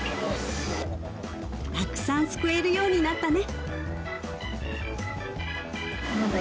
たくさんすくえるようになったね